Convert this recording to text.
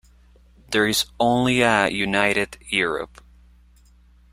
There is only a united Europe.